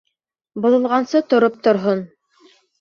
Боҙолғансы тороп торһон.